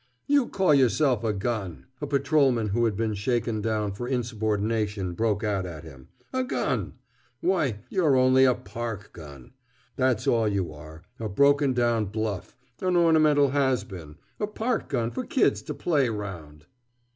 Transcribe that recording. "You call yourself a gun!" a patrolman who had been shaken down for insubordination broke out at him. "A gun! why, you're only a park gun! That's all you are, a broken down bluff, an ornamental has been, a park gun for kids to play 'round!"